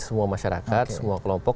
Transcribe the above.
semua masyarakat semua kelompok